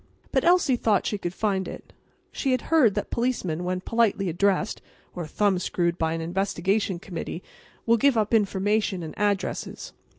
But Elsie thought she could find it. She had heard that policemen, when politely addressed, or thumbscrewed by an investigation committee, will give up information and addresses.